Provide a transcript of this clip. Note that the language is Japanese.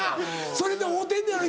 それで合うてんのやろ。